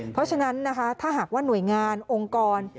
เพราะฉะนั้นนะคะถ้าหากว่าหน่วยงานองค์กร